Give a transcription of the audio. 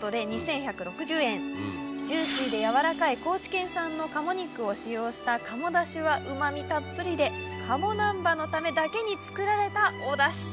ジューシーで軟らかい高知県産の鴨肉を使用した鴨だしはうま味たっぷりで鴨なんばのためだけに作られたおだし。